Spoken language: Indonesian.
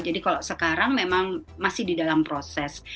jadi kalau sekarang memang masih di dalam proses